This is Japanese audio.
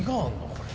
これ。